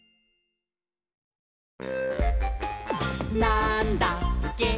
「なんだっけ？！